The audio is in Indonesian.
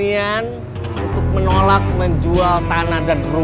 ira an juga bosan juga pak